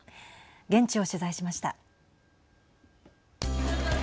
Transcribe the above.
現地を取材しました。